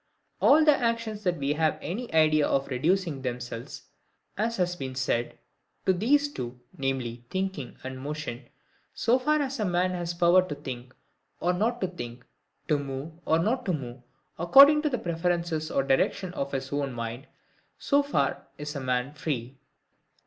All the actions that we have any idea of reducing themselves, as has been said, to these two, viz. thinking and motion; so far as a man has power to think or not to think, to move or not to move, according to the preference or direction of his own mind, so far is a man FREE.